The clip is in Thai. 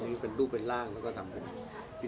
คราวนี้เป็นรูปเป็นร่างผมก็ทำให้จริงต้องก็ทำให้หน่าจะอะ